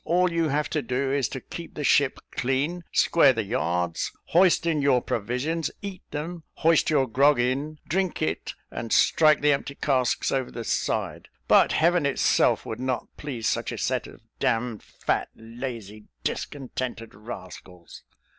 All you have to do, is to keep the ship clean, square the yards; hoist in your provisions, eat them; hoist your grog in, drink it, and strike the empty casks over the side; but Heaven itself would not please such a set of d d fat, lazy, discontented rascals."